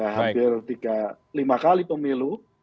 hampir lima kali pemilu